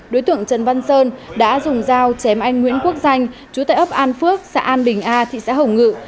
đối tượng trần văn sơn đã dùng dao chém anh nguyễn quốc danh chú tại ấp an phước xã an bình a thị xã hồng ngự